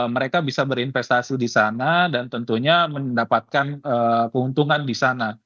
mereka bisa berinvestasi di sana dan tentunya mendapatkan keuntungan di sana